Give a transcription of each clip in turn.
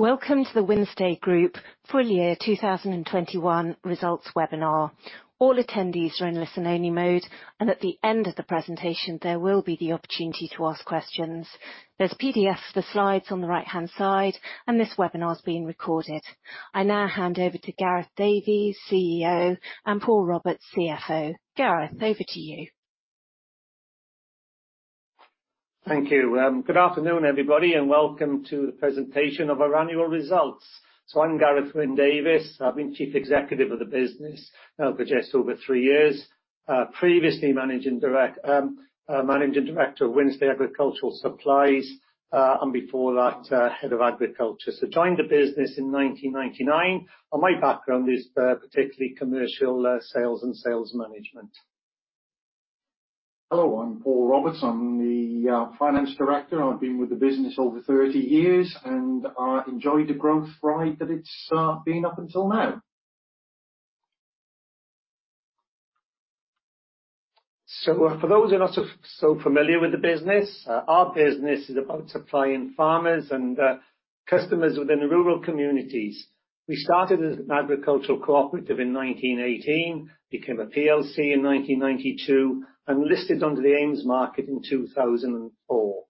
Welcome to the Wynnstay Group full year 2021 results webinar. All attendees are in listen-only mode, and at the end of the presentation, there will be the opportunity to ask questions. There's PDFs of the slides on the right-hand side, and this webinar is being recorded. I now hand over to Gareth Davies, CEO, and Paul Roberts, CFO. Gareth, over to you. Thank you. Good afternoon, everybody, and welcome to the presentation of our annual results. I'm Gareth Wyn Davies. I've been Chief Executive of the business now for just over three years. Previously Managing Director of Wynnstay Agricultural Supplies, and before that, Head of Agriculture. Joined the business in 1999, and my background is particularly commercial, sales and sales management. Hello, I'm Paul Roberts. I'm the Finance Director. I've been with the business over 30 years, and I enjoy the growth ride that it's been up until now. For those who are not so familiar with the business, our business is about supplying farmers and customers within the rural communities. We started as an agricultural cooperative in 1918, became a PLC in 1992, and listed under the AIM market in 2004.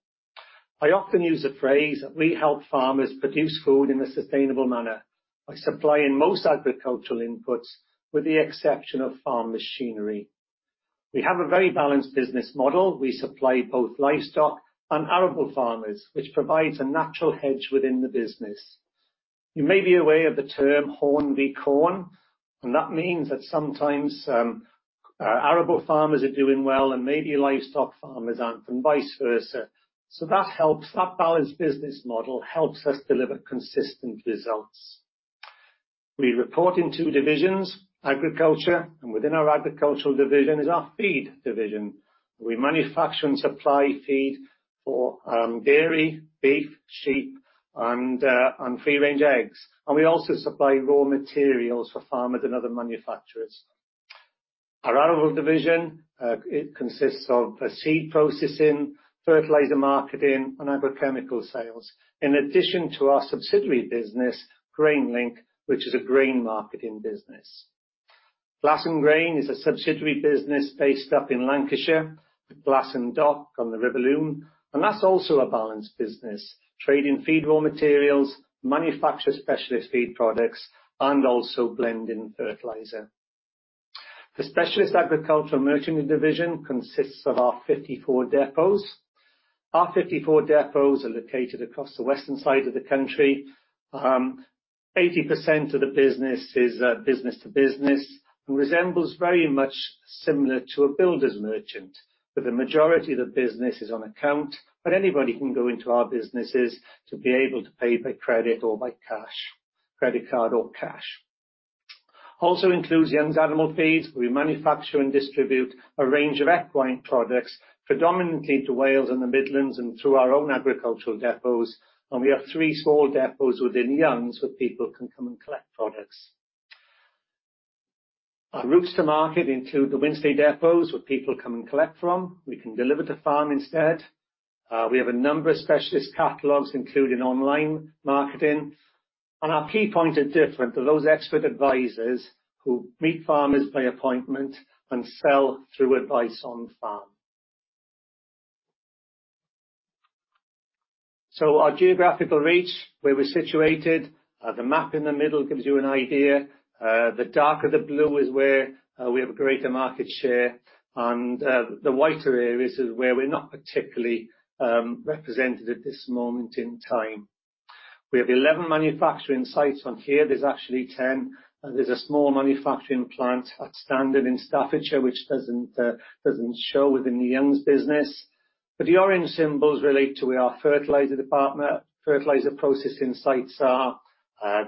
I often use the phrase, we help farmers produce food in a sustainable manner by supplying most agricultural inputs, with the exception of farm machinery. We have a very balanced business model. We supply both livestock and arable farmers, which provides a natural hedge within the business. You may be aware of the term Horn vs Corn, and that means that sometimes arable farmers are doing well and maybe livestock farmers aren't, and vice versa. That helps. That balanced business model helps us deliver consistent results. We report in two divisions, Agriculture, and within our Agricultural Division is our Feed Division. We manufacture and supply feed for dairy, beef, sheep and free-range eggs. We also supply raw materials for farmers and other manufacturers. Our Arable Division it consists of a seed processing, fertilizer marketing, and agrochemical sales. In addition to our subsidiary business, GrainLink, which is a grain marketing business. Glasson Grain is a subsidiary business based up in Lancashire, Glasson Dock on the River Lune, and that's also a balanced business, trading feed raw materials, manufacture specialist feed products, and also blending fertilizer. The Specialist Agricultural Merchant Division consists of our 54 depots. Our 54 depots are located across the western side of the country. 80% of the business is business to business and resembles very much similar to a builder's merchant, where the majority of the business is on account. Anybody can go into our businesses to be able to pay by credit or by cash. Credit card or cash. Also includes Youngs Animal Feeds. We manufacture and distribute a range of equine products, predominantly to Wales and the Midlands and through our own agricultural depots. We have three small depots within Youngs, where people can come and collect products. Our routes to market include the Wynnstay depots, where people come and collect from. We can deliver to farm instead. We have a number of specialist catalogs, including online marketing. Our key points are different for those expert advisors who meet farmers by appointment and sell through advice on the farm. Our geographical reach, where we're situated, the map in the middle gives you an idea. The darker the blue is where we have a greater market share and the whiter areas is where we're not particularly represented at this moment in time. We have 11 manufacturing sites on here. There's actually 10. There's a small manufacturing plant at Standon in Staffordshire, which doesn't show within the Youngs business. The orange symbols relate to where our fertilizer department, fertilizer processing sites are.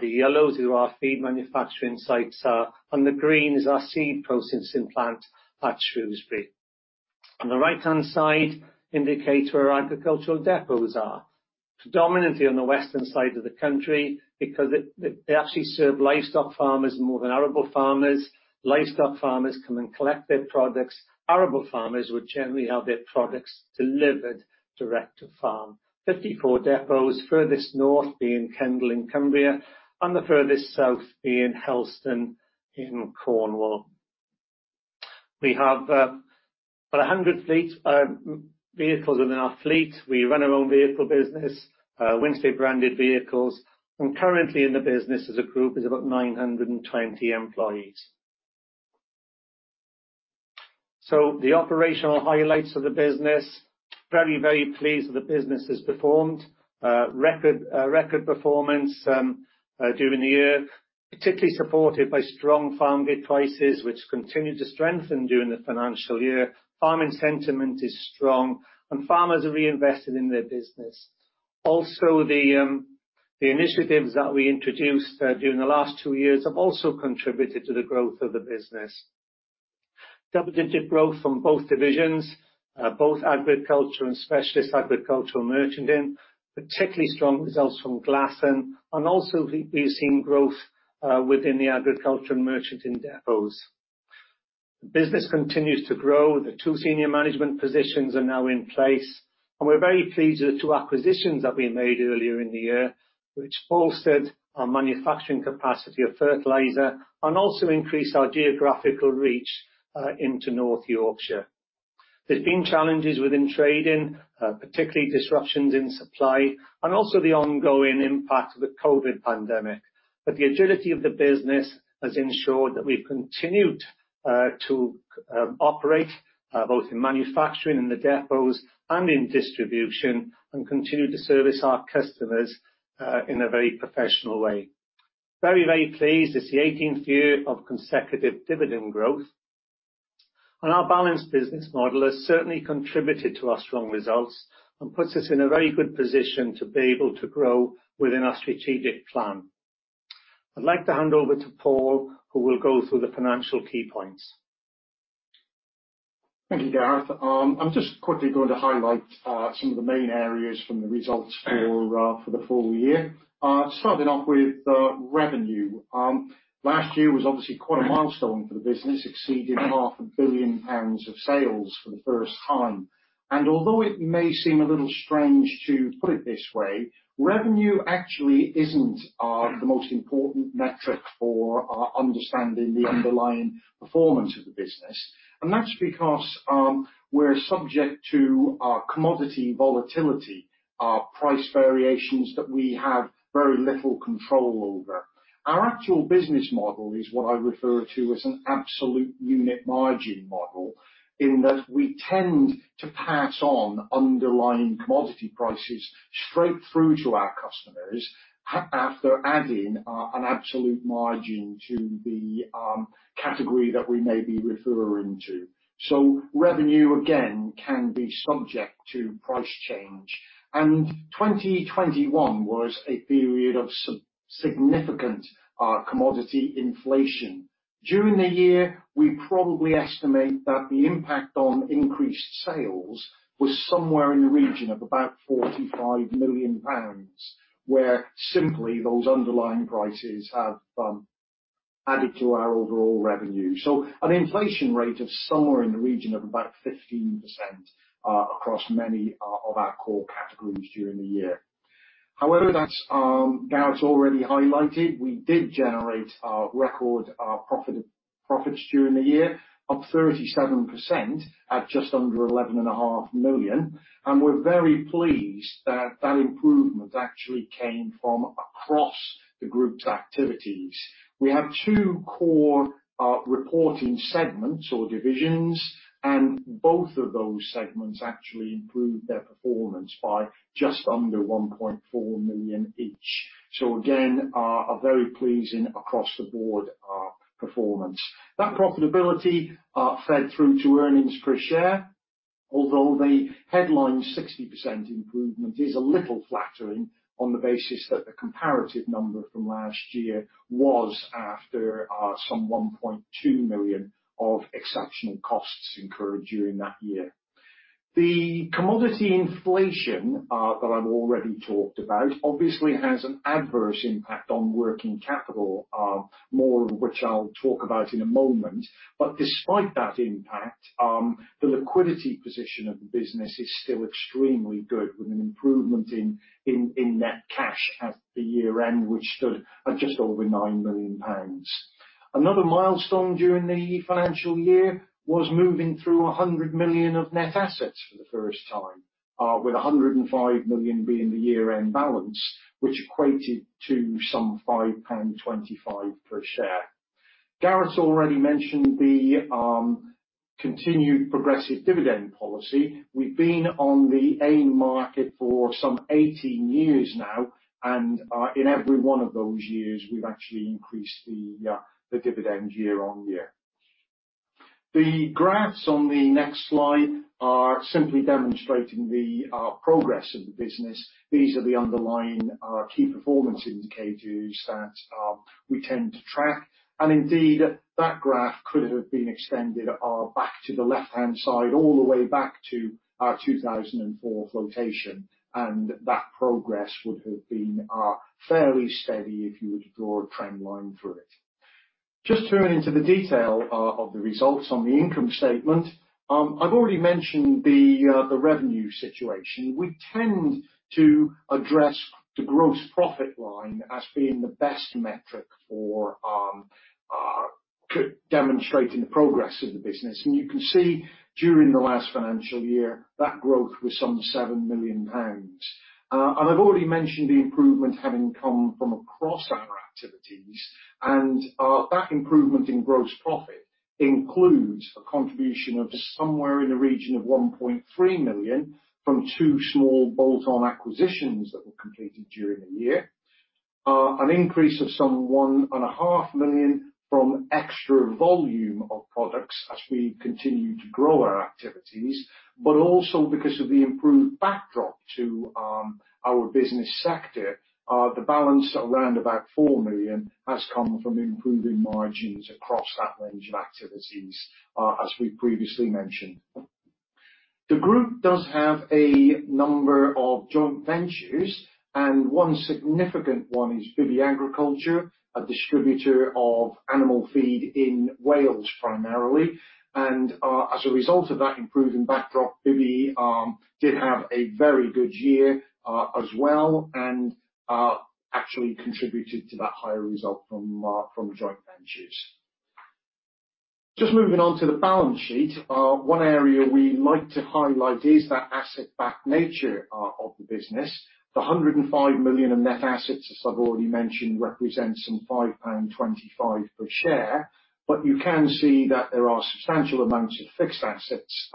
The yellows are where our feed manufacturing sites are. The green is our seed processing plant at Shrewsbury. On the right-hand side indicates where our agricultural depots are. Predominantly on the western side of the country because they actually serve livestock farmers more than arable farmers. Livestock farmers come and collect their products. Arable farmers would generally have their products delivered direct to farm. 54 depots, furthest north being Kendal in Cumbria and the furthest south being Helston in Cornwall. We have about 100 fleet vehicles within our fleet. We run our own vehicle business, Wynnstay branded vehicles. Currently in the business as a group is about 920 employees. The operational highlights of the business, very pleased that the business has performed. Record performance during the year, particularly supported by strong farm gate prices, which continued to strengthen during the financial year. Farming sentiment is strong and farmers are reinvested in their business. Also, the initiatives that we introduced during the last two years have also contributed to the growth of the business. Double-digit growth from both divisions, both agriculture and specialist agricultural merchanting. Particularly strong results from Glasson and also we've seen growth within the agricultural merchanting depots. The business continues to grow. The two senior management positions are now in place, and we're very pleased with the two acquisitions that we made earlier in the year, which bolstered our manufacturing capacity of fertilizer and also increased our geographical reach into North Yorkshire. There's been challenges within trading, particularly disruptions in supply and also the ongoing impact of the COVID pandemic. The agility of the business has ensured that we've continued to operate both in manufacturing, in the depots and in distribution, and continue to service our customers in a very professional way. very, very pleased, it's the 18th year of consecutive dividend growth, and our balanced business model has certainly contributed to our strong results and puts us in a very good position to be able to grow within our strategic plan. I'd like to hand over to Paul, who will go through the financial key points. Thank you, Gareth. I'm just quickly going to highlight some of the main areas from the results for the full year. Starting off with revenue. Last year was obviously quite a milestone for the business, exceeding half a billion pounds of sales for the first time. Although it may seem a little strange to put it this way, revenue actually isn't the most important metric for understanding the underlying performance of the business. That's because we're subject to commodity volatility, price variations that we have very little control over. Our actual business model is what I refer to as an absolute unit margin model, in that we tend to pass on underlying commodity prices straight through to our customers after adding an absolute margin to the category that we may be referring to. Revenue, again, can be subject to price change, and 2021 was a period of significant commodity inflation. During the year, we probably estimate that the impact on increased sales was somewhere in the region of about 45 million pounds, where simply those underlying prices have added to our overall revenue. An inflation rate of somewhere in the region of about 15%, across many of our core categories during the year. However, that's Gareth's already highlighted, we did generate record profits during the year, up 37% at just under 11.5 million. We're very pleased that that improvement actually came from across the group's activities. We have two core reporting segments or divisions, and both of those segments actually improved their performance by just under 1.4 million each. Again, a very pleasing across the board performance. That profitability fed through to earnings per share, although the headline 60% improvement is a little flattering on the basis that the comparative number from last year was after 1.2 million of exceptional costs incurred during that year. The commodity inflation that I've already talked about obviously has an adverse impact on working capital, more of which I'll talk about in a moment. Despite that impact, the liquidity position of the business is still extremely good with an improvement in net cash at the year-end, which stood at just over 9 million pounds. Another milestone during the financial year was moving through 100 million of net assets for the first time, with 105 million being the year-end balance, which equated to some £5.25 per share. Gareth's already mentioned the continued progressive dividend policy. We've been on the AIM market for some 18 years now, and in every one of those years, we've actually increased the dividends year-on-year. The graphs on the next slide are simply demonstrating the progress of the business. These are the underlying key performance indicators that we tend to track. Indeed, that graph could have been extended back to the left-hand side, all the way back to our 2004 flotation, and that progress would have been fairly steady if you were to draw a trend line through it. Just turning to the detail of the results on the income statement. I've already mentioned the revenue situation. We tend to address the gross profit line as being the best metric for demonstrating the progress of the business. You can see during the last financial year that growth was some 7 million pounds. I've already mentioned the improvement having come from across our activities, and that improvement in gross profit includes a contribution of somewhere in the region of 1.3 million from two small bolt-on acquisitions that were completed during the year. An increase of some 1.5 million from extra volume of products as we continue to grow our activities, but also because of the improved backdrop to our business sector, the balance of around about 4 million has come from improving margins across that range of activities, as we previously mentioned. The group does have a number of joint ventures, and one significant one is Bibby Agriculture, a distributor of animal feed in Wales primarily. As a result of that improving backdrop, Bibby did have a very good year, as well, and actually contributed to that higher result from joint ventures. Just moving on to the balance sheet. One area we like to highlight is that asset-backed nature of the business. 105 million in net assets, as I've already mentioned, represents some 5.25 pound per share. You can see that there are substantial amounts of fixed assets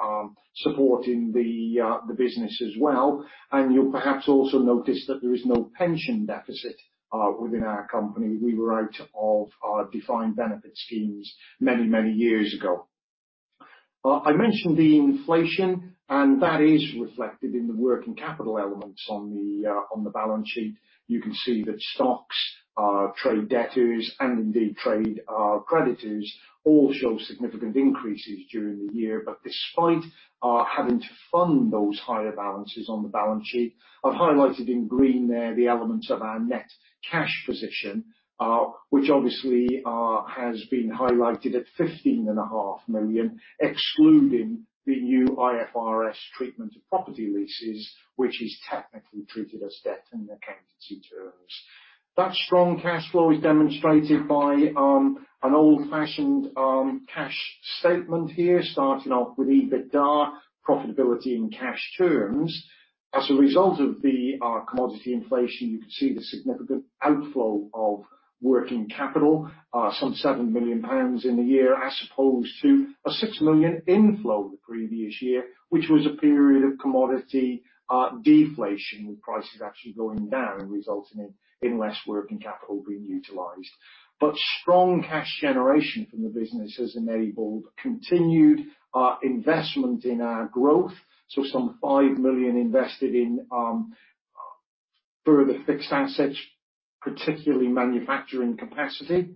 supporting the business as well. You'll perhaps also notice that there is no pension deficit within our company. We were out of our defined benefit schemes many, many years ago. I mentioned the inflation, and that is reflected in the working capital elements on the balance sheet. You can see that stocks, trade debtors, and indeed trade creditors, all show significant increases during the year. Despite having to fund those higher balances on the balance sheet, I've highlighted in green there the elements of our net cash position, which obviously has been highlighted at 15.5 million, excluding the new IFRS treatment of property leases, which is technically treated as debt in accountancy terms. That strong cash flow is demonstrated by an old-fashioned cash statement here, starting off with EBITDA profitability in cash terms. As a result of the commodity inflation, you can see the significant outflow of working capital, some 7 million pounds in the year, as opposed to a 6 million inflow the previous year, which was a period of commodity deflation, with prices actually going down, resulting in less working capital being utilized. Strong cash generation from the business has enabled continued investment in our growth, so some 5 million invested in further fixed assets, particularly manufacturing capacity.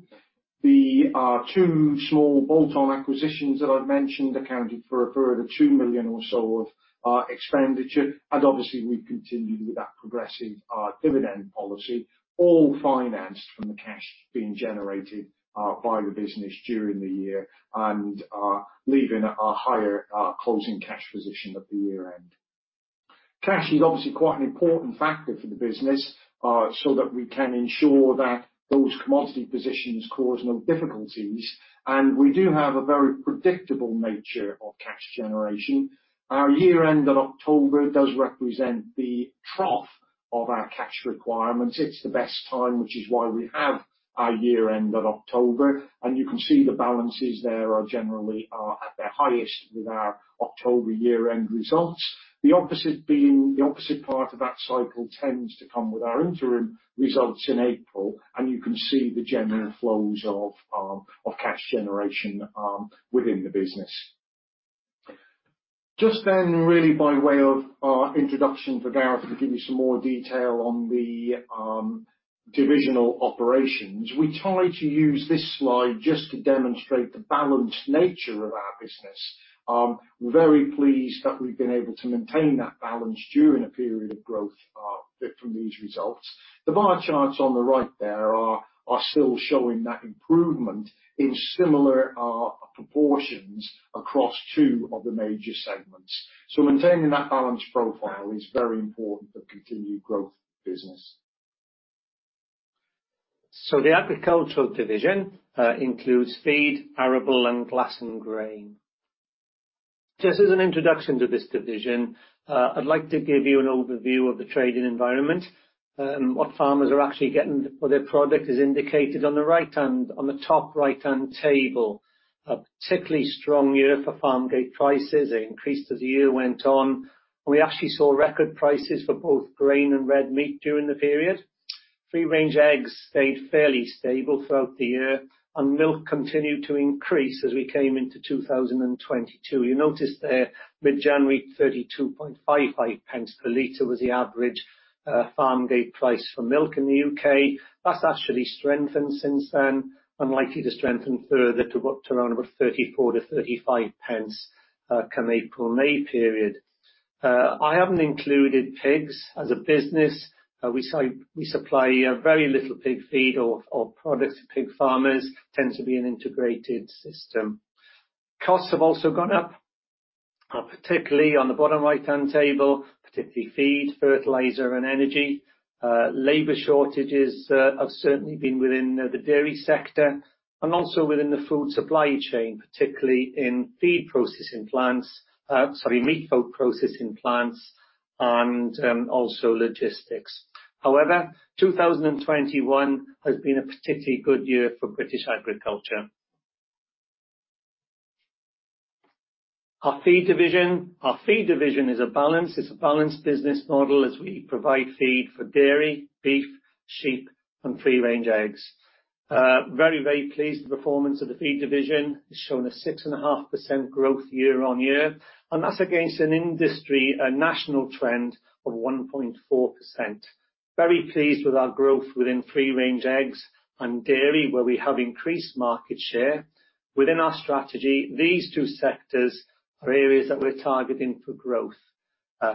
The two small bolt-on acquisitions that I've mentioned accounted for a further 2 million or so of expenditure. We continued with that progressive dividend policy, all financed from the cash being generated by the business during the year and leaving a higher closing cash position at the year-end. Cash is obviously quite an important factor for the business, so that we can ensure that those commodity positions cause no difficulties. We do have a very predictable nature of cash generation. Our year-end in October does represent the trough of our cash requirements. It's the best time, which is why we have our year-end at October, and you can see the balances there are generally at their highest with our October year-end results. The opposite part of that cycle tends to come with our interim results in April, and you can see the general flows of cash generation within the business. Just then, really by way of introduction for Gareth to give you some more detail on the divisional operations. We try to use this slide just to demonstrate the balanced nature of our business. Very pleased that we've been able to maintain that balance during a period of growth from these results. The bar charts on the right there are still showing that improvement in similar proportions across two of the major segments. Maintaining that balanced profile is very important for continued growth of the business. The agricultural division includes feed, arable, and Glasson Grain. Just as an introduction to this division, I'd like to give you an overview of the trading environment and what farmers are actually getting for their product is indicated on the top right-hand table. A particularly strong year for farmgate prices. They increased as the year went on. We actually saw record prices for both grain and red meat during the period. Free range eggs stayed fairly stable throughout the year, and milk continued to increase as we came into 2022. You notice there, mid-January, 32.5 pence per liter was the average farmgate price for milk in the U.K.. That's actually strengthened since then, and likely to strengthen further to up to around about 34 to 35 pence come April-May period. I haven't included pigs as a business. We supply very little pig feed or products to pig farmers. Tends to be an integrated system. Costs have also gone up, particularly on the bottom right-hand table, particularly feed, fertilizer, and energy. Labor shortages have certainly been within the dairy sector and also within the food supply chain, particularly in feed processing plants, sorry, meat and food processing plants and also logistics. However, 2021 has been a particularly good year for British agriculture. Our feed division is a balanced business model as we provide feed for dairy, beef, sheep, and free-range eggs. Very, very pleased with the performance of the feed division. It's shown a 6.5% growth year-on-year, and that's against an industry, a national trend of 1.4%. Very pleased with our growth within free range eggs and dairy, where we have increased market share. Within our strategy, these two sectors are areas that we're targeting for growth.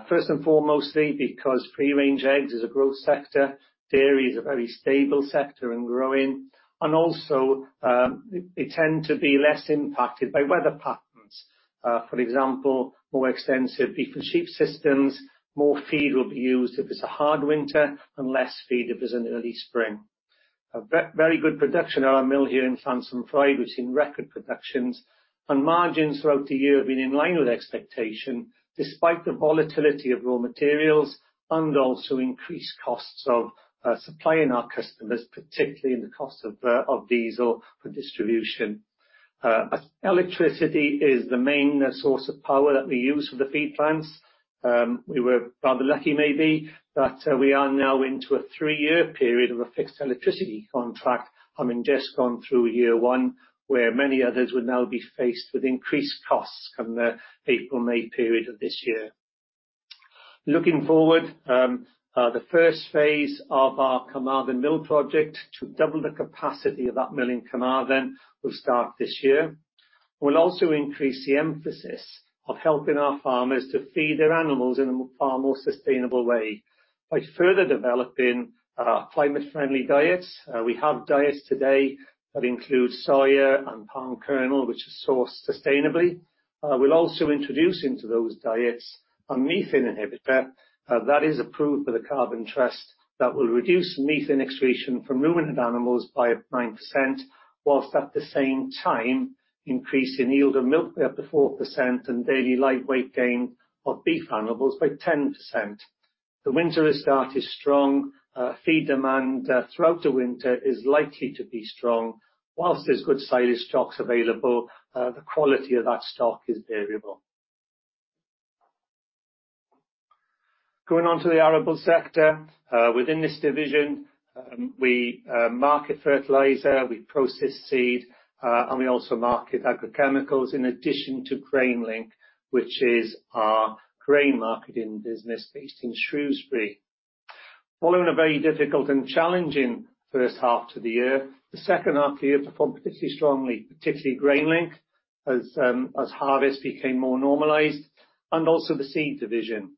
First and foremost, because free range eggs is a growth sector, dairy is a very stable sector and growing, and also, they tend to be less impacted by weather patterns. For example, more extensive beef and sheep systems, more feed will be used if it's a hard winter and less feed if there's an early spring. Very good production at our mill here in Llansantffraid which seen record productions. Margins throughout the year have been in line with expectation despite the volatility of raw materials and also increased costs of supplying our customers, particularly in the cost of diesel for distribution. Electricity is the main source of power that we use for the feed plants. We were rather lucky maybe that we are now into a three-year period of a fixed electricity contract, having just gone through year one, where many others would now be faced with increased costs come the April-May period of this year. Looking forward, the first phase of our Carmarthen Mill project to double the capacity of that mill in Carmarthen will start this year. We'll also increase the emphasis of helping our farmers to feed their animals in a far more sustainable way by further developing our climate-friendly diets. We have diets today that include soya and palm kernel, which is sourced sustainably. We'll also introduce into those diets a methane inhibitor that is approved by the Carbon Trust that will reduce methane excretion from ruminant animals by 9%, while at the same time increasing yield of milk by up to 4% and daily live weight gain of beef animals by 10%. The winter has started strong. Feed demand throughout the winter is likely to be strong. While there's good silage stocks available, the quality of that stock is variable. Going on to the Arables sector. Within this division, we market fertilizer, we process seed, and we also market agrochemicals, in addition to GrainLink, which is our grain marketing business based in Shrewsbury. Following a very difficult and challenging first half to the year, the second half of the year performed particularly strongly, particularly GrainLink, as harvest became more normalized, and also the seed division.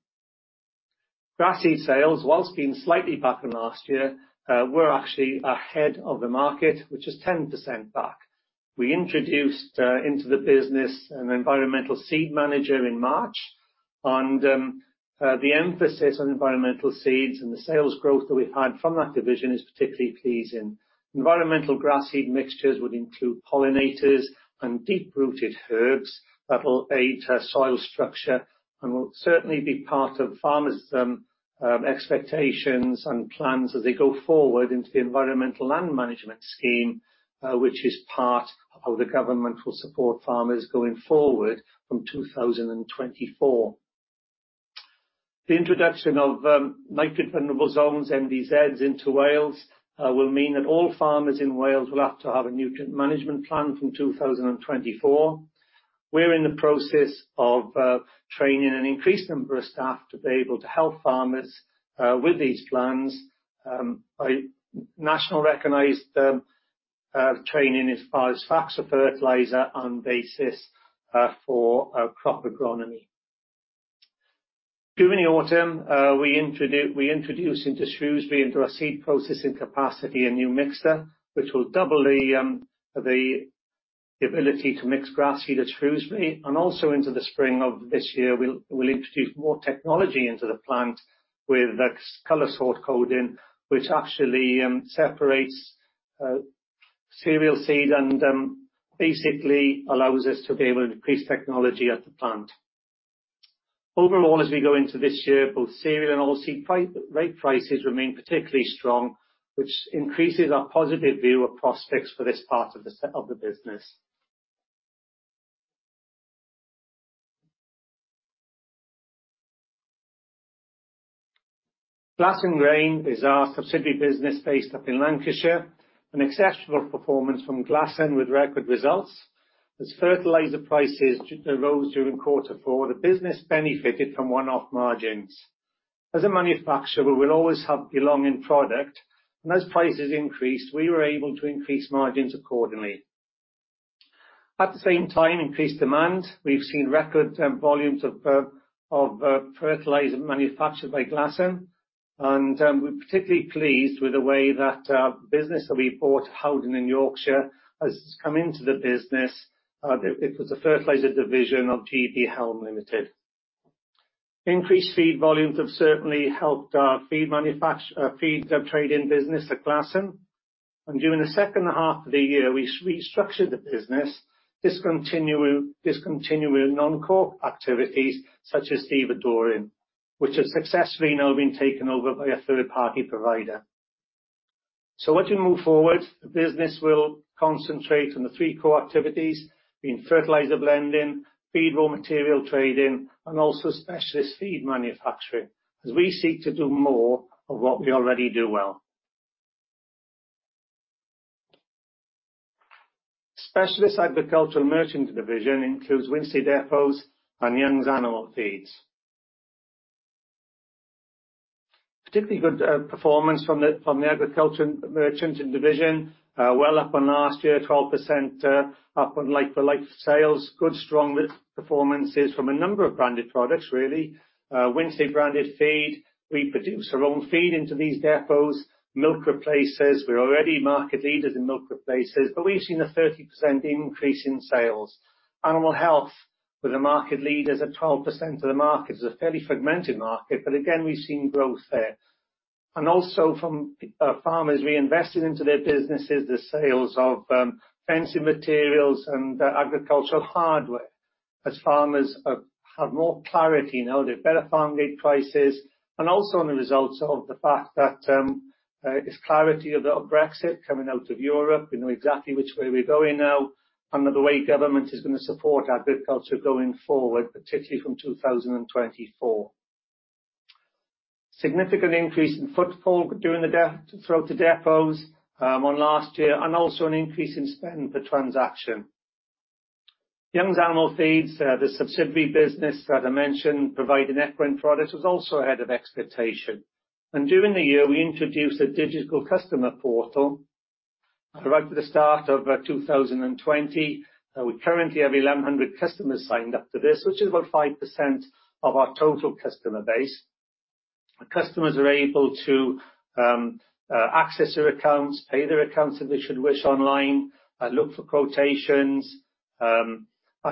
Grass seed sales, while being slightly back on last year, were actually ahead of the market, which is 10% back. We introduced into the business an environmental seed manager in March, and the emphasis on environmental seeds and the sales growth that we've had from that division is particularly pleasing. Environmental grass seed mixtures would include pollinators and deep-rooted herbs that will aid soil structure and will certainly be part of farmers' expectations and plans as they go forward into the Environmental Land Management scheme, which is part of how the government will support farmers going forward from 2024. The introduction of nitrate vulnerable zones, NVZs, into Wales will mean that all farmers in Wales will have to have a nutrient management plan from 2024. We're in the process of training an increased number of staff to be able to help farmers with these plans by nationally recognized training as far as FACTS for fertilizer and BASIS for crop agronomy. During the autumn, we introduced into Shrewsbury, into our seed processing capacity, a new mixer, which will double the ability to mix grass seed at Shrewsbury. Into the spring of this year, we'll introduce more technology into the plant with the color sort coding, which actually separates cereal seed and basically allows us to be able to increase technology at the plant. Overall, as we go into this year, both cereal and oilseed rape prices remain particularly strong, which increases our positive view of prospects for this part of the business. Glasson Grain is our subsidiary business based up in Lancashire. An exceptional performance from Glasson with record results. As fertilizer prices rose during quarter four, the business benefited from one-off margins. As a manufacturer, we'll always have blending product, and as prices increased, we were able to increase margins accordingly. At the same time, increased demand, we've seen record volumes of fertilizer manufactured by Glasson, and we're particularly pleased with the way that business that we bought, Howden in Yorkshire, has come into the business. It was a fertilizer division of HELM Great Britain Limited. Increased feed volumes have certainly helped our feed trade-in business at Glasson. During the second half of the year, we structured the business, discontinuing non-core activities such as de-icing, which has successfully now been taken over by a third-party provider. As you move forward, the business will concentrate on the three core activities, being fertilizer blending, feed raw material trading, and also specialist feed manufacturing, as we seek to do more of what we already do well. Specialist agricultural merchant division includes Wynnstay Depots and Youngs Animal Feeds. Particularly good performance from the agricultural merchant division. Well up on last year, 12% up on like-for-like sales. Good strong performances from a number of branded products really. Wynnstay branded feed. We produce our own feed into these depots. Milk replacers. We're already market leaders in milk replacers, but we've seen a 30% increase in sales. Animal health, we're the market leaders at 12% of the market. It's a fairly fragmented market, but again, we've seen growth there. From farmers reinvesting into their businesses, the sales of fencing materials and agricultural hardware, as farmers have more clarity now. They've better farm gate prices and also as a result of the fact that there's clarity about Brexit coming out of Europe. We know exactly which way we're going now and the way government is gonna support agriculture going forward, particularly from 2024. Significant increase in footfall throughout the depots on last year, and also an increase in spend per transaction. Youngs Animal Feeds, the subsidiary business that I mentioned, providing equine products, was also ahead of expectation. During the year, we introduced a digital customer portal right at the start of 2020. We currently have 1,100 customers signed up to this, which is about 5% of our total customer base. Our customers are able to access their accounts, pay their accounts if they should wish online, look for quotations, and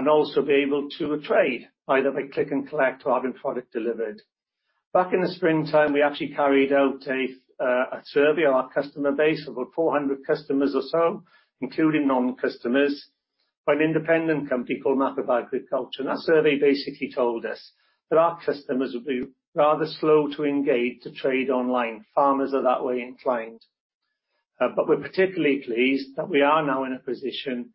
also be able to trade either by click and collect or having product delivered. Back in the springtime, we actually carried out a survey of our customer base, about 400 customers or so, including non-customers, by an independent company called Map of Ag. That survey basically told us that our customers would be rather slow to engage to trade online. Farmers are that way inclined. We're particularly pleased that we are now in a position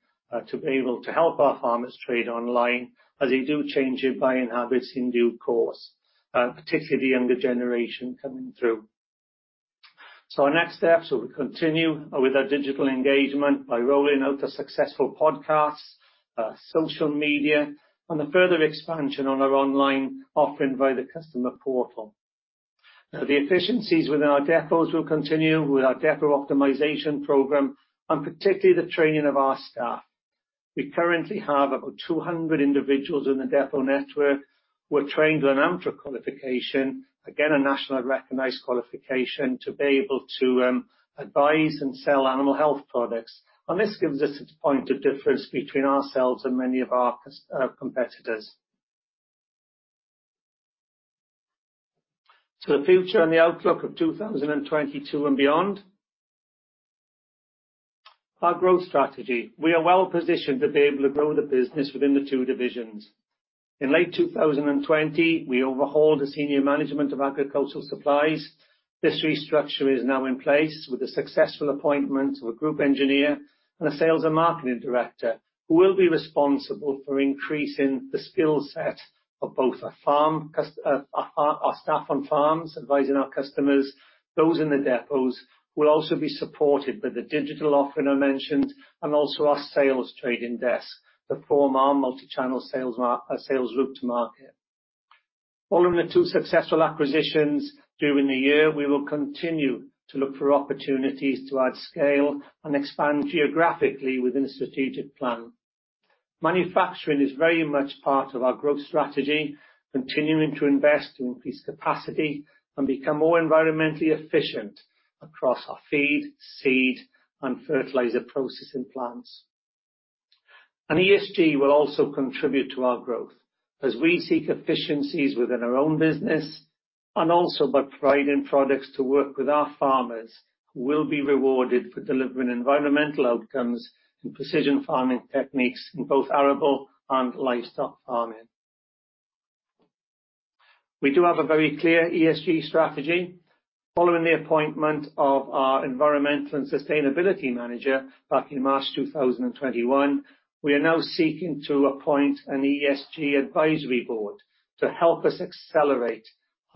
to be able to help our farmers trade online as they do change their buying habits in due course, particularly the younger generation coming through. Our next steps, we continue with our digital engagement by rolling out our successful podcasts, social media, and the further expansion on our online offering via the customer portal. Now, the efficiencies within our depots will continue with our depot optimization program and particularly the training of our staff. We currently have about 200 individuals in the depot network who are trained to an AMTRA qualification, again, a nationally recognized qualification, to be able to advise and sell animal health products. This gives us a point of difference between ourselves and many of our competitors. The future and the outlook of 2022 and beyond. Our growth strategy. We are well positioned to be able to grow the business within the two divisions. In late 2020, we overhauled the senior management of Agricultural Supplies. This restructure is now in place with the successful appointment of a group engineer and a sales and marketing director who will be responsible for increasing the skill set of both our staff on farms, advising our customers. Those in the depots will also be supported with the digital offering I mentioned and also our sales trading desk that form our multi-channel sales route to market. Following the two successful acquisitions during the year, we will continue to look for opportunities to add scale and expand geographically within a strategic plan. Manufacturing is very much part of our growth strategy, continuing to invest to increase capacity and become more environmentally efficient across our feed, seed, and fertilizer processing plants. ESG will also contribute to our growth as we seek efficiencies within our own business and also by providing products to work with our farmers who will be rewarded for delivering environmental outcomes and precision farming techniques in both arable and livestock farming. We do have a very clear ESG strategy. Following the appointment of our environmental and sustainability manager back in March 2021, we are now seeking to appoint an ESG advisory board to help us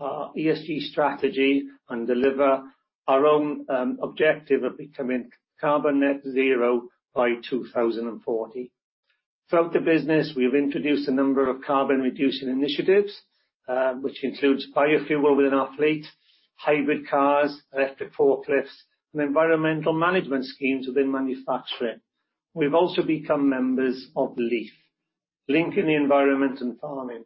accelerate our ESG strategy and deliver our own objective of becoming carbon net zero by 2040. Throughout the business, we've introduced a number of carbon reducing initiatives, which includes biofuel within our fleet, hybrid cars, electric forklifts, and environmental management schemes within manufacturing. We've also become members of LEAF, Linking Environment And Farming,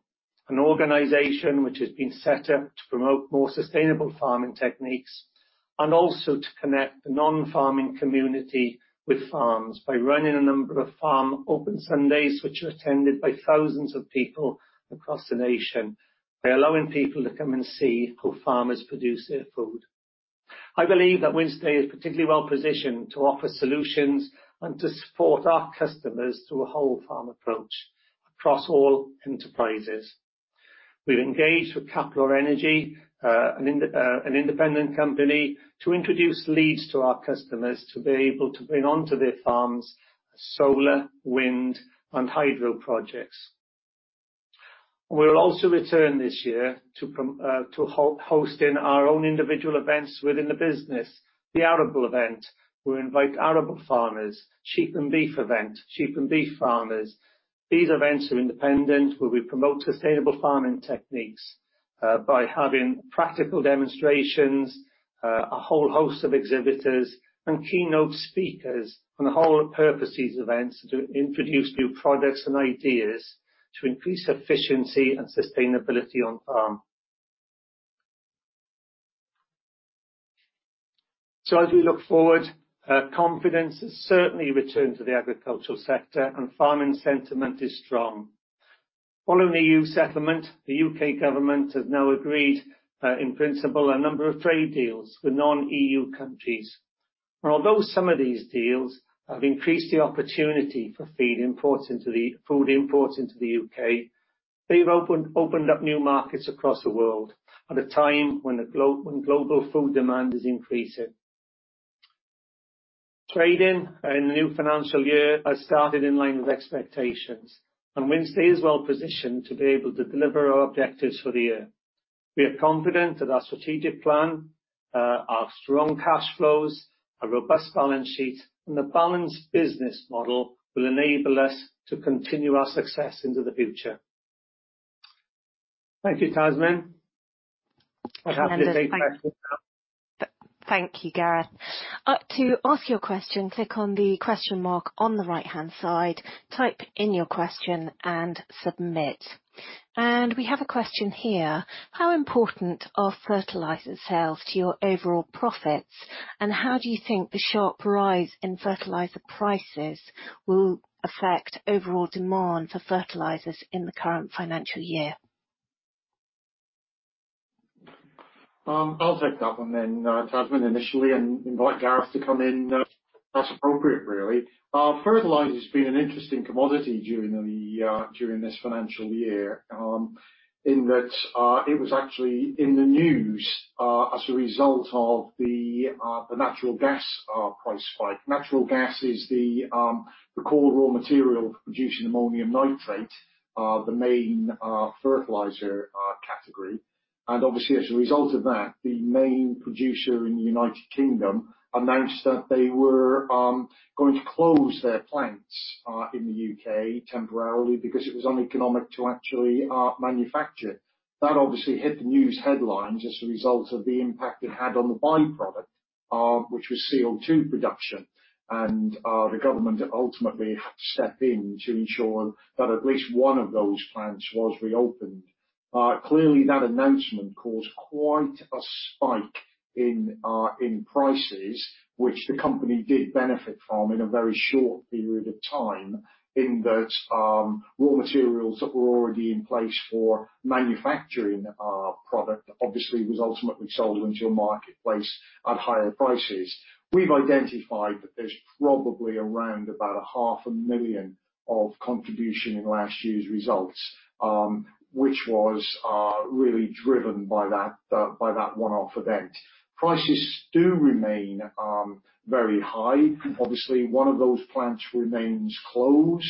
an organization which has been set up to promote more sustainable farming techniques and also to connect the non-farming community with farms by running a number of farm open Sundays, which are attended by thousands of people across the nation, by allowing people to come and see how farmers produce their food. I believe that Wynnstay is particularly well-positioned to offer solutions and to support our customers through a whole farm approach across all enterprises. We've engaged with Capitalor Energy, an independent company, to introduce leads to our customers to be able to bring onto their farms solar, wind, and hydro projects. We will also return this year to hosting our own individual events within the business. The Arable Event, we invite arable farmers. Sheep and Beef Event, sheep and beef farmers. These events are independent, where we promote sustainable farming techniques, by having practical demonstrations, a whole host of exhibitors and keynote speakers. The whole purpose of these events is to introduce new products and ideas to increase efficiency and sustainability on farm. As we look forward, confidence has certainly returned to the agricultural sector, and farming sentiment is strong. Following the EU settlement, the U.K. government has now agreed, in principle a number of trade deals with non-EU countries. Although some of these deals have increased the opportunity for food imports into the U.K., they've opened up new markets across the world at a time when global food demand is increasing. Trade in the new financial year has started in line with expectations, and Wynnstay is well positioned to be able to deliver our objectives for the year. We are confident that our strategic plan, our strong cash flows, our robust balance sheet, and a balanced business model will enable us to continue our success into the future. Thank you, Tasmin. I'm happy to take questions now. Thank you, Gareth. To ask your question, click on the question mark on the right-hand side, type in your question and submit. We have a question here. How important are fertilizer sales to your overall profits, and how do you think the sharp rise in fertilizer prices will affect overall demand for fertilizers in the current financial year? I'll take that one then, Tamsin, initially, and invite Gareth to come in as appropriate, really. Fertilizer has been an interesting commodity during this financial year in that it was actually in the news as a result of the natural gas price spike. Natural gas is the core raw material for producing ammonium nitrate, the main fertilizer category. Obviously, as a result of that, the main producer in the United Kingdom announced that they were going to close their plants in the U.K. temporarily because it was uneconomic to actually manufacture. That obviously hit the news headlines as a result of the impact it had on the by-product, which was CO2 production. The government ultimately had to step in to ensure that at least one of those plants was reopened. Clearly that announcement caused quite a spike in prices, which the company did benefit from in a very short period of time, in that raw materials that were already in place for manufacturing our product obviously was ultimately sold into a marketplace at higher prices. We've identified that there's probably around 500,000 contribution in last year's results, which was really driven by that one-off event. Prices do remain very high. Obviously, one of those plants remains closed.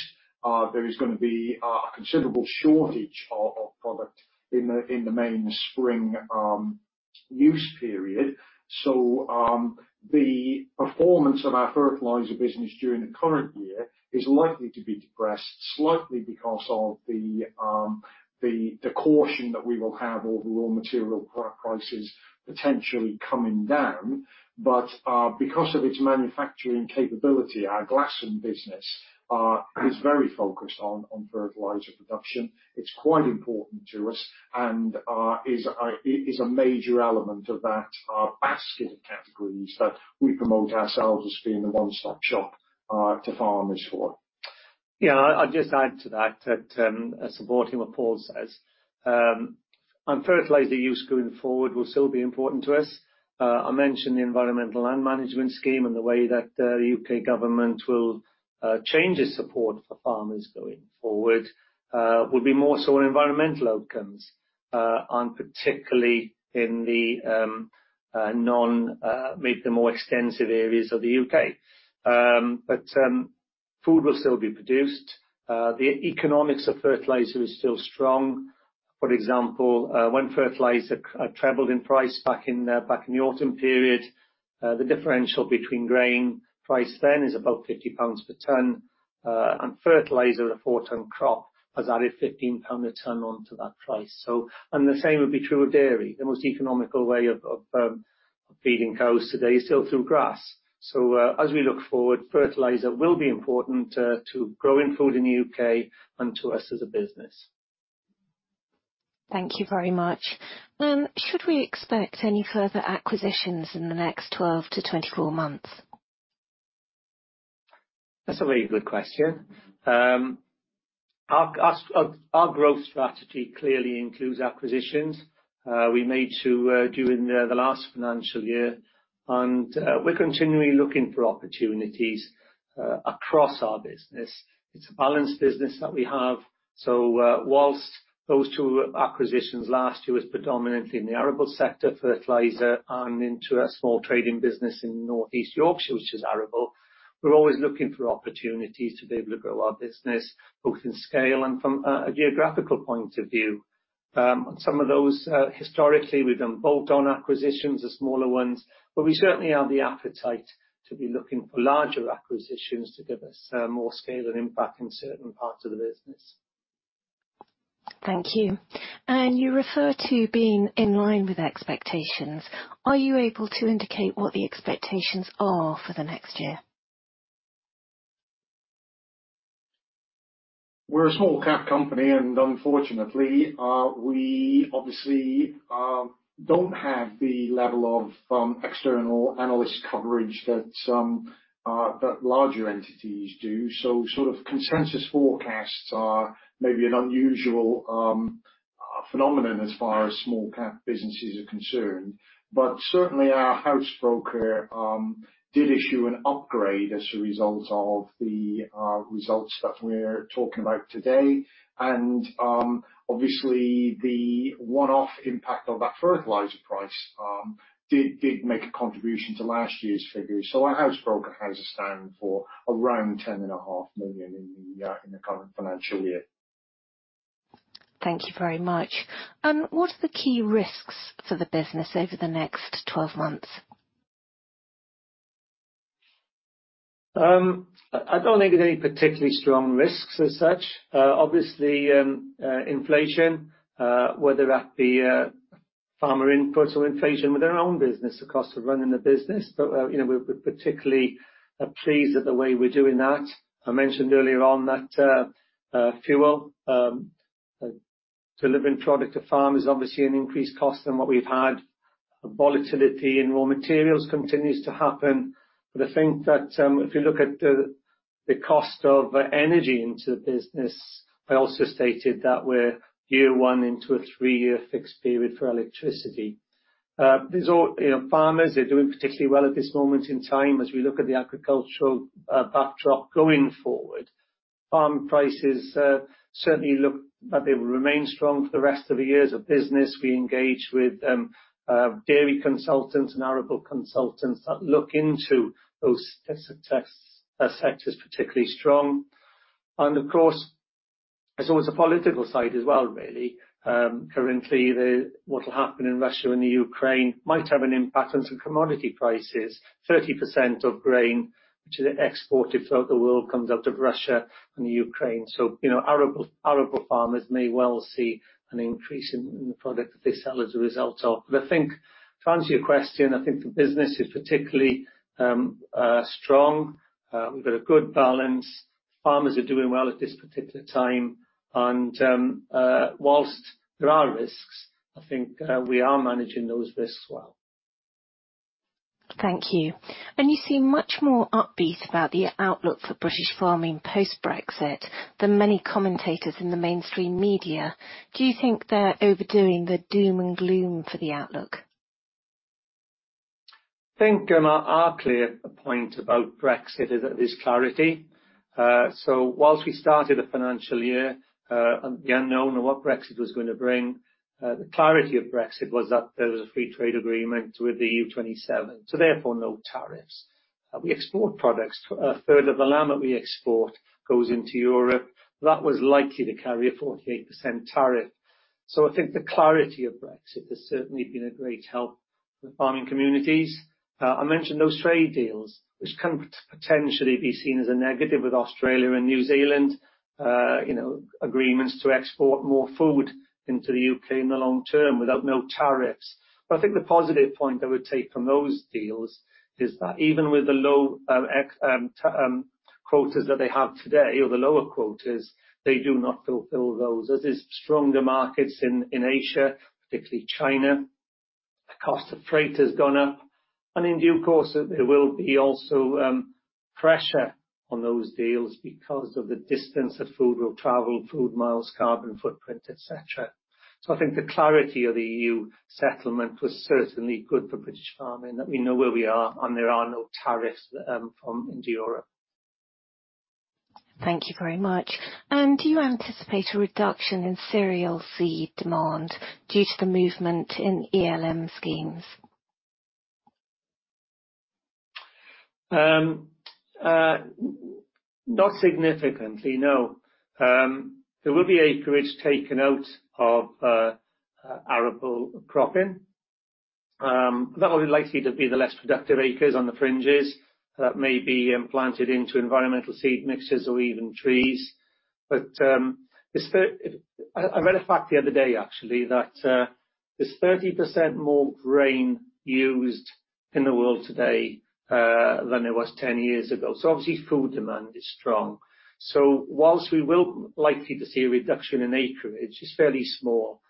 There is gonna be a considerable shortage of product in the main spring use period. The performance of our fertilizer business during the current year is likely to be depressed slightly because of the caution that we will have over raw material prices potentially coming down. Because of its manufacturing capability, our Glasson business is very focused on fertilizer production. It's quite important to us and is a major element of that basket of categories that we promote ourselves as being a one-stop shop to farmers for. Yeah, I'll just add to that, supporting what Paul says. Fertilizer use going forward will still be important to us. I mentioned the Environmental Land Management scheme and the way that the U.K. government will change its support for farmers going forward will be more so on environmental outcomes and particularly in the maybe the more extensive areas of the U.K. Food will still be produced. The economics of fertilizer is still strong. For example, when fertilizer trebled in price back in the autumn period, the differential between grain price then is about 50 pounds per tonne. Fertilizer at a 4 tonnes crop has added 15 pound per tonne onto that price, so. The same would be true of dairy. The most economical way of feeding cows today is still through grass. As we look forward, fertilizer will be important to growing food in the U.K. and to us as a business. Thank you very much. Should we expect any further acquisitions in the next 12 to 24 months? That's a very good question. Our growth strategy clearly includes acquisitions. We made two during the last financial year, and we're continually looking for opportunities across our business. It's a balanced business that we have. Whilst those two acquisitions last year was predominantly in the arable sector, fertilizer and into a small trading business in Northeast Yorkshire, which is arable, we're always looking for opportunities to be able to grow our business, both in scale and from a geographical point of view. Some of those historically, we've done bolt-on acquisitions, the smaller ones, but we certainly have the appetite to be looking for larger acquisitions to give us more scale and impact in certain parts of the business. Thank you. You refer to being in line with expectations. Are you able to indicate what the expectations are for the next year? We're a small-cap company, and unfortunately, we obviously don't have the level of external analyst coverage that larger entities do. Sort of consensus forecasts are maybe an unusual phenomenon as far as small-cap businesses are concerned. Certainly our house broker did issue an upgrade as a result of the results that we're talking about today. Obviously the one-off impact of that fertilizer price did make a contribution to last year's figures. Our house broker has us down for around 10.5 million in the current financial year. Thank you very much. What are the key risks for the business over the next 12 months? I don't think there's any particularly strong risks as such. Obviously inflation, whether that be farmer inputs or inflation with our own business, the cost of running the business. You know, we're particularly pleased with the way we're doing that. I mentioned earlier on that fuel delivering product to farm is obviously an increased cost than what we've had. Volatility in raw materials continues to happen, but I think that if you look at the cost of energy into the business, I also stated that we're year one into a three-year fixed period for electricity. You know, farmers are doing particularly well at this moment in time as we look at the agricultural backdrop going forward. Farm prices certainly look like they will remain strong for the rest of the year's business. We engage with dairy consultants and arable consultants that look into those sectors, particularly strong. Of course, there's always the political side as well, really. Currently, what will happen in Russia and Ukraine might have an impact on some commodity prices. 30% of grain, which is exported throughout the world, comes out of Russia and Ukraine. You know, arable farmers may well see an increase in the price of the product that they sell as a result of. I think to answer your question, I think the business is particularly strong. We've got a good balance. Farmers are doing well at this particular time, and while there are risks, I think we are managing those risks well. Thank you. You seem much more upbeat about the outlook for British farming post-Brexit than many commentators in the mainstream media. Do you think they're overdoing the doom and gloom for the outlook? I think our clear point about Brexit is that there's clarity. While we started the financial year on the unknown of what Brexit was gonna bring, the clarity of Brexit was that there was a free trade agreement with the EU 27, therefore no tariffs. We export products. A third of the lamb that we export goes into Europe. That was likely to carry a 48% tariff. I think the clarity of Brexit has certainly been a great help for the farming communities. I mentioned those trade deals, which can potentially be seen as a negative with Australia and New Zealand, you know, agreements to export more food into the U.K. in the long term without no tariffs. I think the positive point I would take from those deals is that even with the low quotas that they have today or the lower quotas, they do not fulfill those, as there's stronger markets in Asia, particularly China. The cost of freight has gone up. In due course, there will be also pressure on those deals because of the distance that food will travel, food miles, carbon footprint, etc. I think the clarity of the EU settlement was certainly good for British farming, that we know where we are and there are no tariffs from into Europe. Thank you very much. Do you anticipate a reduction in cereal seed demand due to the movement in ELM schemes? Not significantly, no. There will be acreage taken out of arable cropping. That will be likely to be the less productive acres on the fringes that may be planted into environmental seed mixtures or even trees. I read a fact the other day actually that there's 30% more grain used in the world today than there was 10 years ago. Obviously food demand is strong. Whilst we will likely to see a reduction in acreage, it's fairly small.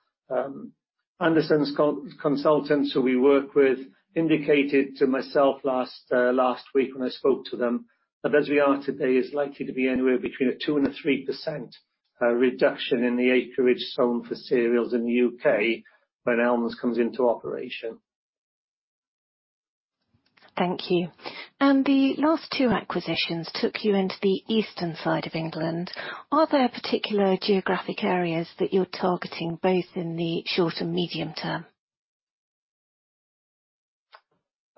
Andersons consultants who we work with indicated to myself last week when I spoke to them that as we are today, it's likely to be anywhere between a 2%-3% reduction in the acreage sown for cereals in the U.K. when ELMS comes into operation. Thank you. The last two acquisitions took you into the eastern side of England. Are there particular geographic areas that you're targeting both in the short and medium term?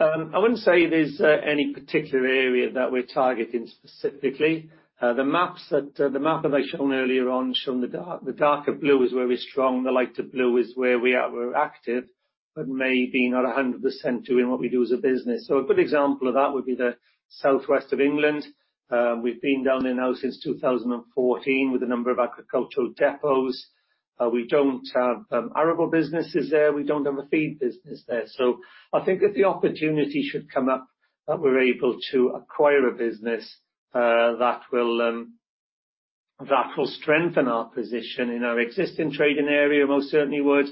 I wouldn't say there's any particular area that we're targeting specifically. The map that I showed earlier on shows the darker blue is where we're strong, the lighter blue is where we are, we're active, but maybe not 100% doing what we do as a business. A good example of that would be the southwest of England. We've been down there now since 2014 with a number of agricultural depots. We don't have arable businesses there. We don't have a feed business there. I think if the opportunity should come up that we're able to acquire a business, that will strengthen our position in our existing trading area most certainly would.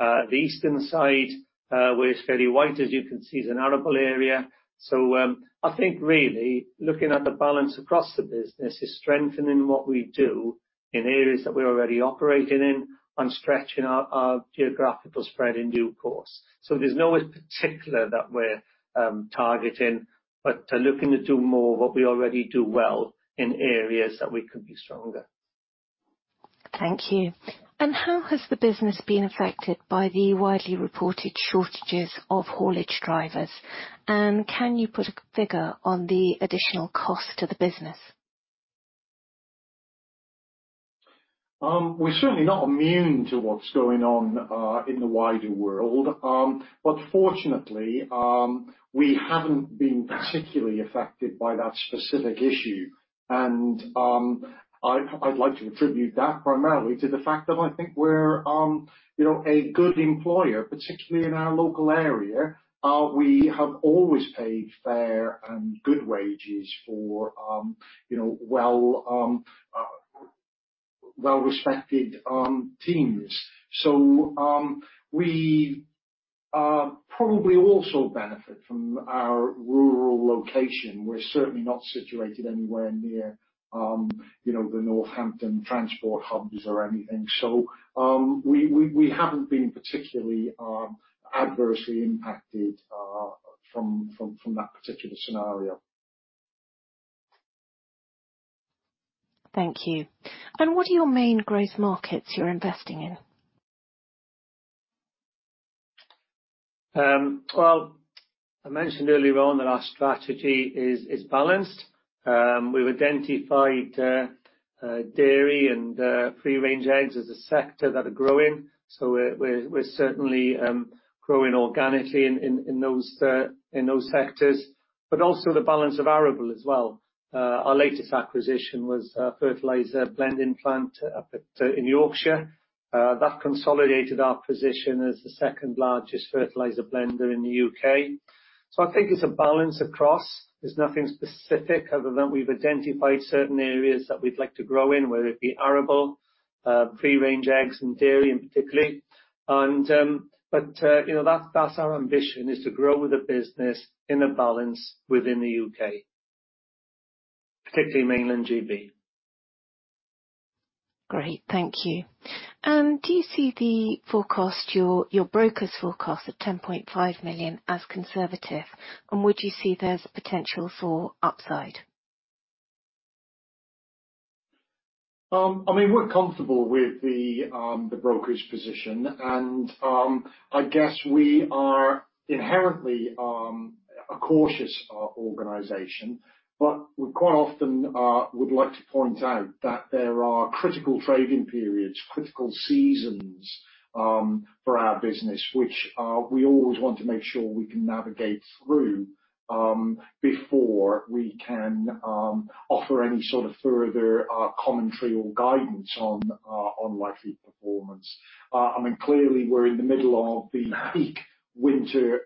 The eastern side, where it's fairly white, as you can see, is an arable area. I think really looking at the balance across the business is strengthening what we do in areas that we're already operating in and stretching our geographical spread in due course. There's nowhere particular that we're targeting, but to looking to do more of what we already do well in areas that we could be stronger. Thank you. How has the business been affected by the widely reported shortages of haulage drivers? Can you put a figure on the additional cost to the business? We're certainly not immune to what's going on in the wider world. Fortunately, we haven't been particularly affected by that specific issue, and I'd like to attribute that primarily to the fact that I think we're, you know, a good employer, particularly in our local area. We have always paid fair and good wages for, you know, well-respected teams. We probably also benefit from our rural location. We're certainly not situated anywhere near, you know, the Northampton transport hubs or anything. We haven't been particularly adversely impacted from that particular scenario. Thank you. What are your main growth markets you're investing in? Well, I mentioned earlier on that our strategy is balanced. We've identified dairy and free-range eggs as a sector that are growing. We're certainly growing organically in those sectors, but also the balance of arable as well. Our latest acquisition was a fertilizer blending plant up in Yorkshire. That consolidated our position as the second largest fertilizer blender in the U.K. I think it's a balance across. There's nothing specific other than we've identified certain areas that we'd like to grow in, whether it be arable, free-range eggs and dairy in particular. But you know, that's our ambition, is to grow the business in a balance within the U.K., particularly mainland GB. Great. Thank you. Do you see the forecast, your broker's forecast at 10.5 million as conservative, and would you see there's potential for upside? I mean, we're comfortable with the brokerage position, and I guess we are inherently a cautious organization. We quite often would like to point out that there are critical trading periods, critical seasons for our business, which we always want to make sure we can navigate through before we can offer any sort of further commentary or guidance on likely performance. I mean, clearly we're in the middle of the peak winter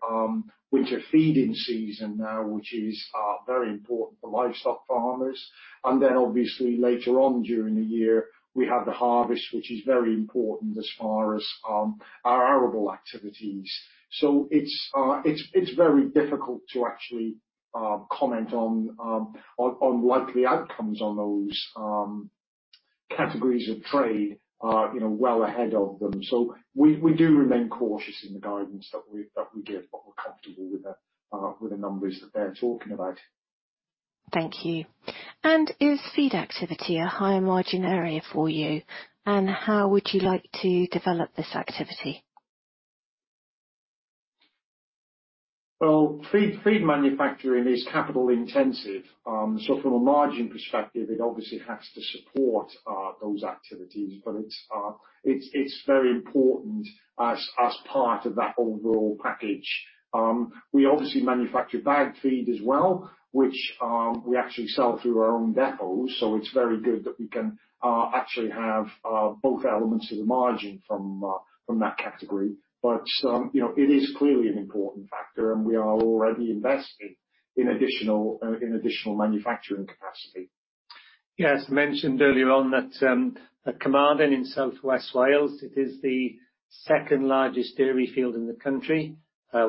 feeding season now, which is very important for livestock farmers. Obviously later on during the year, we have the harvest, which is very important as far as our arable activities. It's very difficult to actually comment on likely outcomes on those categories of trade, you know, well ahead of them. We do remain cautious in the guidance that we give, but we're comfortable with the numbers that they're talking about. Thank you. Is feed activity a higher margin area for you? How would you like to develop this activity? Well, feed manufacturing is capital intensive. From a margin perspective, it obviously has to support those activities. It's very important as part of that overall package. We obviously manufacture bagged feed as well, which we actually sell through our own depots, so it's very good that we can actually have both elements of the margin from that category. You know, it is clearly an important factor, and we are already investing in additional manufacturing capacity. Yes. Mentioned earlier on that, at Carmarthen in South West Wales, it is the second-largest dairy field in the country.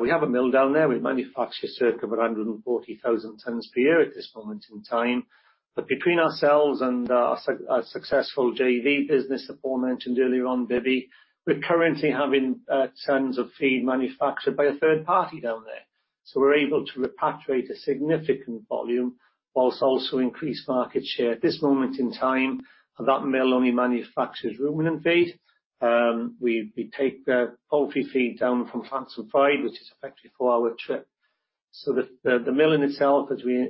We have a mill down there. We manufacture circa 140,000 tons per year at this moment in time. Between ourselves and our successful JV business that Paul mentioned earlier on, Bibby, we're currently having tons of feed manufactured by a third party down there. We're able to repatriate a significant volume while also increase market share. At this moment in time, that mill only manufactures ruminant feed. We take poultry feed down from Llansantffraid, which is effectively a four-hour trip. The mill in itself as we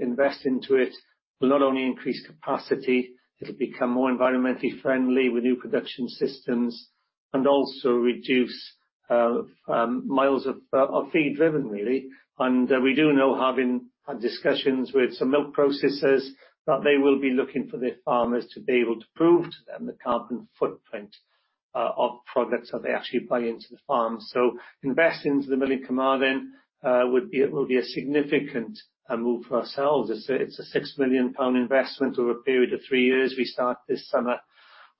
invest into it, will not only increase capacity, it'll become more environmentally friendly with new production systems, and also reduce miles of our feed driven, really. We do know having had discussions with some milk processors that they will be looking for their farmers to be able to prove to them the carbon footprint of products that they actually buy into the farm. Investing into the milling compound then would be a significant move for ourselves. It will be a 6 million pound investment over a period of three years. We start this summer.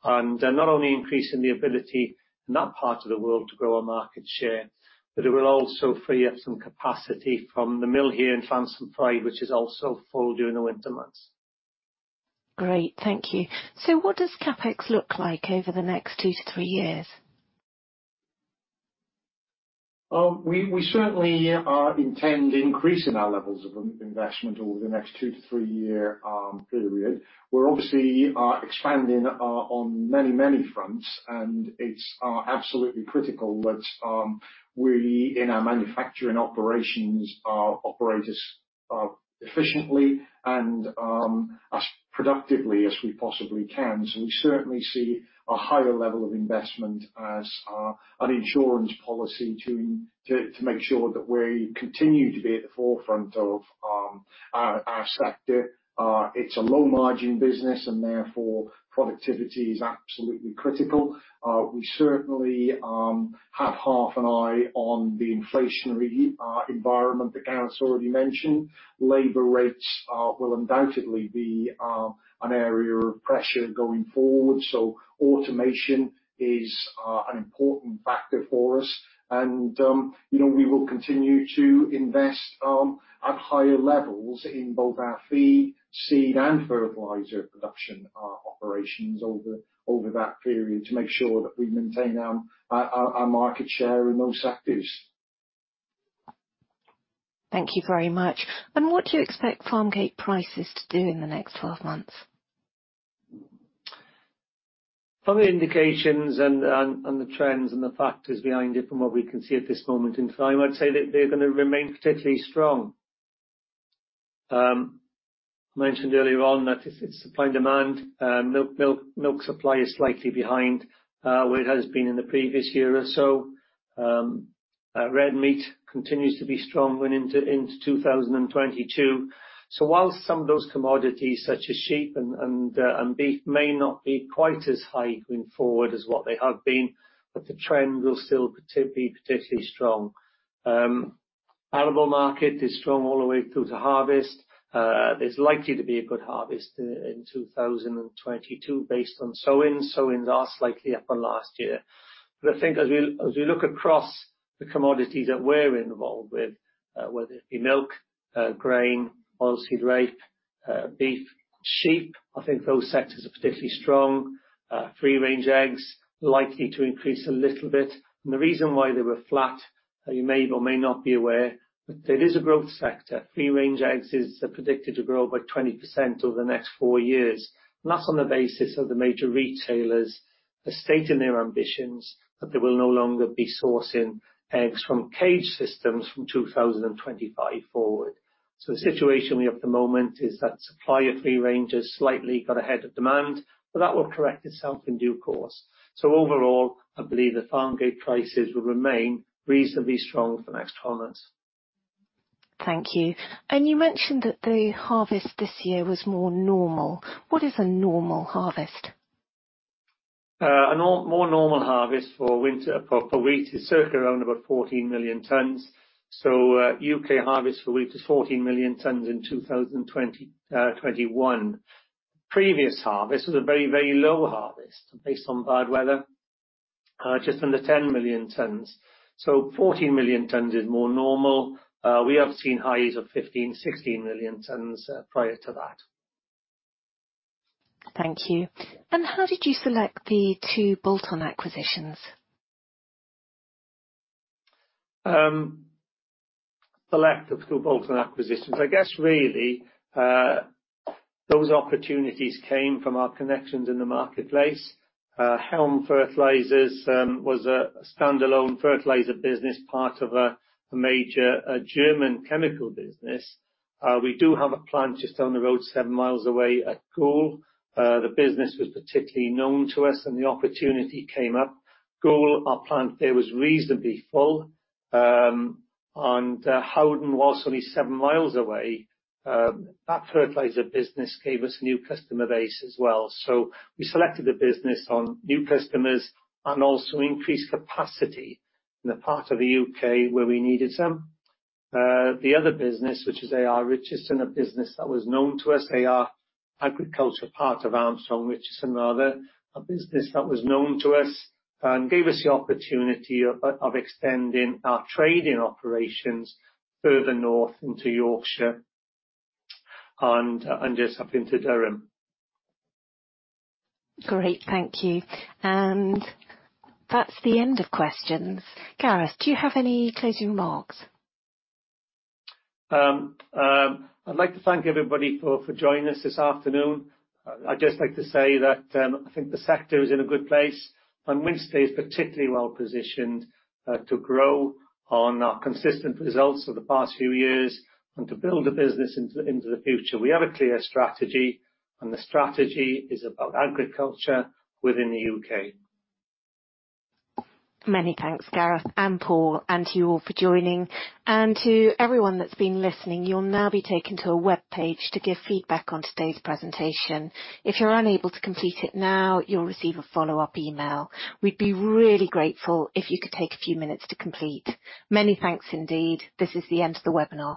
Not only increasing the ability in that part of the world to grow our market share, but it will also free up some capacity from the mill here in Fanceford, which is also full during the winter months. Great. Thank you. What does CapEx look like over the next two to three years? We certainly are intending to increase our levels of investment over the next two- to three-year period. We're obviously expanding on many fronts, and it's absolutely critical that we in our manufacturing operations operate efficiently and as productively as we possibly can. We certainly see a higher level of investment as an insurance policy to make sure that we continue to be at the forefront of our sector. It's a low margin business and therefore productivity is absolutely critical. We certainly have half an eye on the inflationary environment that Gareth's already mentioned. Labor rates will undoubtedly be an area of pressure going forward, so automation is an important factor for us. You know, we will continue to invest at higher levels in both our feed, seed, and fertilizer production operations over that period to make sure that we maintain our market share in those sectors. Thank you very much. What do you expect farmgate prices to do in the next 12 months? From the indications and the trends and the factors behind it from what we can see at this moment in time, I'd say that they're gonna remain particularly strong. I mentioned earlier on that it's supply and demand. Milk supply is slightly behind where it has been in the previous year or so. Red meat continues to be strong going into 2022. While some of those commodities such as sheep and beef may not be quite as high going forward as what they have been, but the trend will still particularly strong. Arable market is strong all the way through to harvest. There's likely to be a good harvest in 2022 based on sowing. Sowings are slightly up on last year. I think as we look across the commodities that we're involved with, whether it be milk, grain, oilseed rape, beef, sheep, I think those sectors are particularly strong. Free-range eggs likely to increase a little bit. The reason why they were flat, you may or may not be aware, but it is a growth sector. Free-range eggs is predicted to grow by 20% over the next four years, and that's on the basis of the major retailers stating their ambitions that they will no longer be sourcing eggs from cage systems from 2025 forward. The situation we have at the moment is that supply of free range has slightly got ahead of demand, but that will correct itself in due course. Overall, I believe that farmgate prices will remain reasonably strong for the next 12 months. Thank you. You mentioned that the harvest this year was more normal. What is a normal harvest? More normal harvest for wheat is circa around about 14 million tons. U.K. harvest for wheat was 14 million tons in 2020-2021. Previous harvest was a very low harvest based on bad weather, just under 10 million tons. Fourteen million tons is more normal. We have seen highs of 15 million to 16 million tons, prior to that. Thank you. How did you select the two Bolton acquisitions? Select the two bolt-on acquisitions. I guess really, those opportunities came from our connections in the marketplace. HELM Fertilizers was a stand-alone fertilizer business, part of a major German chemical business. We do have a plant just down the road 7 mi away at Goole. The business was particularly known to us, and the opportunity came up. Goole, our plant there was reasonably full, and Howden was only 7 mi away. That fertilizer business gave us a new customer base as well. We selected the business on new customers and also increased capacity in the part of the U.K. where we needed some. The other business, which is Armstrong Richardson, a business that was known to us, A.R. Agriculture, part of Armstrong Richardson, rather. A business that was known to us and gave us the opportunity of extending our trading operations further north into Yorkshire and just up into Durham. Great, thank you. That's the end of questions. Gareth, do you have any closing remarks? I'd like to thank everybody for joining us this afternoon. I'd just like to say that I think the sector is in a good place, and Wynnstay is particularly well-positioned to grow on our consistent results for the past few years and to build a business into the future. We have a clear strategy, and the strategy is about agriculture within the U.K.. Many thanks, Gareth and Paul, and to you all for joining. To everyone that's been listening, you'll now be taken to a webpage to give feedback on today's presentation. If you're unable to complete it now, you'll receive a follow-up email. We'd be really grateful if you could take a few minutes to complete. Many thanks indeed. This is the end of the webinar.